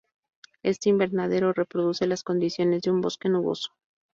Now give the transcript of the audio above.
Este invernadero reproduce las condiciones de un bosque nuboso.